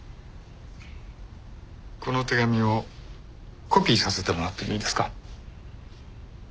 この手紙をコピーさせてもらってもいいですか？